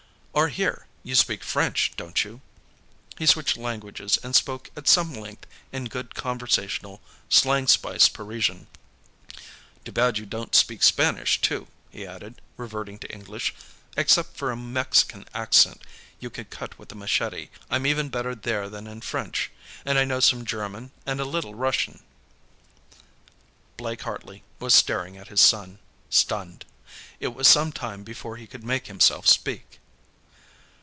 Or, here; you speak French, don't you?" He switched languages and spoke at some length in good conversational slang spiced Parisian. "Too bad you don't speak Spanish, too," he added, reverting to English. "Except for a Mexican accent you could cut with a machete, I'm even better there than in French. And I know some German, and a little Russian." Blake Hartley was staring at his son, stunned. It was some time before he could make himself speak.